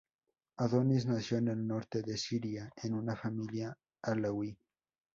Adonis nació en el norte de Siria, en una familia alauí.